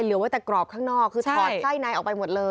เหลือไว้แต่กรอบข้างนอกคือถอดไส้ในออกไปหมดเลย